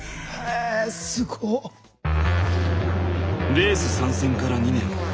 レース参戦から２年。